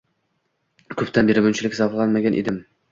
Ko’pdan beri bunchalik zavqlanmagan edim.